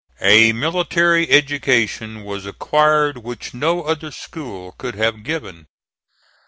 A military education was acquired which no other school could have given.